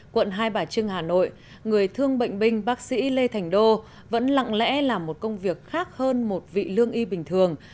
quận hai bà trưng hà nội người thương bệnh binh bác sĩ lê thành đô vẫn lặng lẽ làm một công việc khác hơn một vị lương y bình thường